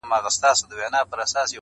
فکر وکړي چي ناروغ -